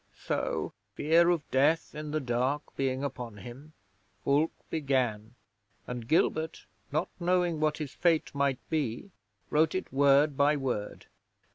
'So fear of death in the dark being upon him Fulke began, and Gilbert, not knowing what his fate might be, wrote it word by word.